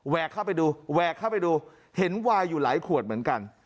เข้าไปดูแหวกเข้าไปดูเห็นวายอยู่หลายขวดเหมือนกัน